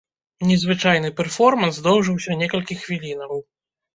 Незвычайны пэрформанс доўжыўся некалькі хвілінаў.